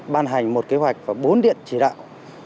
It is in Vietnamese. ban hành một kế hoạch và bốn điện chỉ đạo